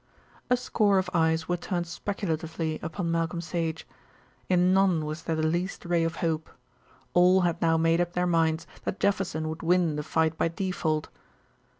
A score of eyes were turned speculatively upon Malcolm Sage. In none was there the least ray of hope. All had now made up their minds that Jefferson would win the fight by default.